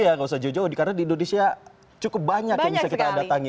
iya nggak usah jauh jauh karena di indonesia cukup banyak yang bisa kita datangi